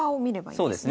そうですね。